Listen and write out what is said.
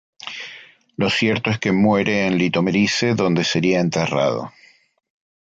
Lo cierto es que muere en Litoměřice, donde sería enterrado.